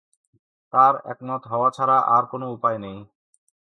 তার একমত হওয়া ছাড়া আর কোন উপায় নেই।